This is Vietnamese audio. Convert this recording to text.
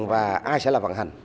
và ai sẽ là vận hành